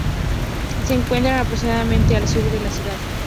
Se encuentra aproximadamente al sur de la ciudad.